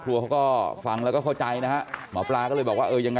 แล้วเวลาแต่น้องนี่สัมผัสได้จริงนะ